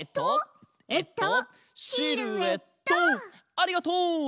ありがとう！